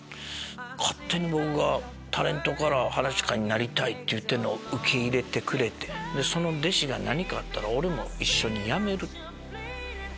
勝手に僕がタレントから噺家になりたいって言うてんのを受け入れてくれて「弟子が何かあったら俺も一緒に辞める」。